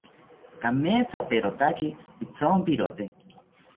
Kamethaperotaki pithonpirote